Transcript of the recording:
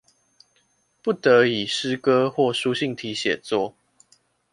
不得以詩歌或書信體寫作